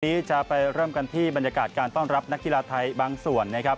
วันนี้จะไปเริ่มกันที่บรรยากาศการต้อนรับนักกีฬาไทยบางส่วนนะครับ